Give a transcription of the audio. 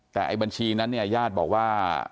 แต่บัญชีนั้นยาฏบอกว่า